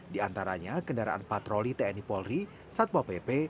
di antaranya kendaraan patroli tni polri satpol pp